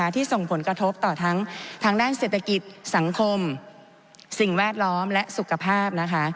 ที่ส่งผลกระทบต่อทั้งด้านเศรษฐกิจสังคมสิ่งแวดล้อมและสุขภาพนะคะ